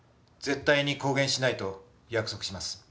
絶対に公言しないと約束します。